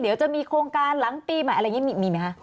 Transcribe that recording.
เดี๋ยวจะมีโครงการหลังปีใหม่อะไรอย่างนี้มีไหมคะ